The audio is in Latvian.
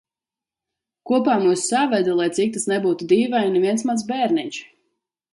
Kopā mūs saveda, lai cik tas nebūtu dīvaini, viens mans bērniņš.